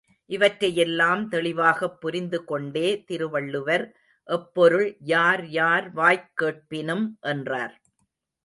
இவற்றையெல்லாம் தெளிவாகப் புரிந்து கொண்டே திருவள்ளுவர் எப்பொருள் யார் யார் வாய்க் கேட்பினும் என்றார்.